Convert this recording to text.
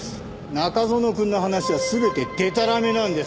中園くんの話は全てでたらめなんです。